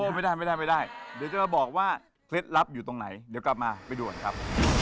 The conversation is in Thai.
ไม่ได้ไม่ได้เดี๋ยวจะมาบอกว่าเคล็ดลับอยู่ตรงไหนเดี๋ยวกลับมาไปดูก่อนครับ